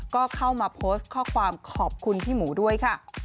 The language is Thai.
ก็เข้ามาโพสต์ข้อความขอบคุณพี่หมูด้วยค่ะ